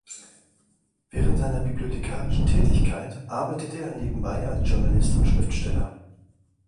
Während seiner bibliothekarischen Tätigkeit arbeitete er nebenbei als Journalist und Schriftsteller.